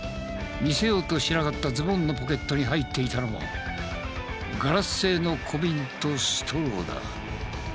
見せようとしなかったズボンのポケットに入っていたのはガラス製の小瓶とストローだ。